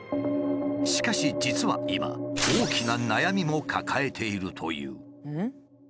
しかし実は今大きな悩みも抱えているという。